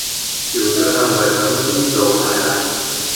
條隊係咪響呢度排呀？